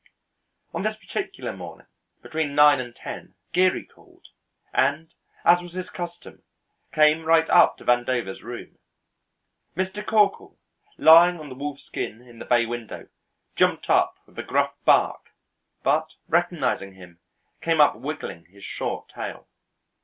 On this particular morning between nine and ten Geary called, and as was his custom came right up to Vandover's room. Mr. Corkle, lying on the wolfskin in the bay window, jumped up with a gruff bark, but, recognizing him, came up wiggling his short tail.